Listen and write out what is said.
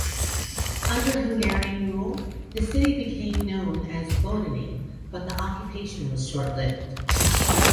Under Hungarian rule, the city became known as "Bodony", but the occupation was short-lived.